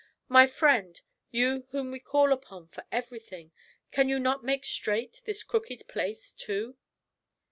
My friend, you whom we call upon for everything, can you not make straight this crooked place, too?'